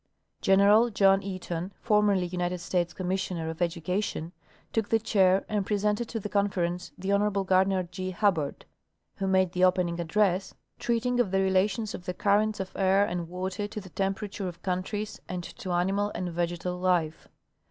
General John Eaton, formerly United States Commissioner of Education, took the Chair and presented to the Conference the Honorable Gardiner G.Hubbard, who made the opening address, treating of the relations of the currents of air and water to the temperature of countries and to animal and vegetal life.